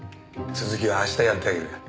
続きは明日やってあげるから。ね。